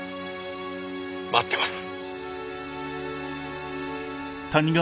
待ってます。